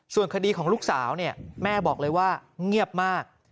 ส่วนคดีของลูกสาวเนี่ยแม่บอกเลยว่าเงียบมาก